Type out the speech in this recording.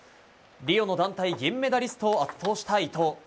リオの団体銀メダリストを圧倒した伊藤。